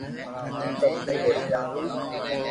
سب سھي ھوئي جائين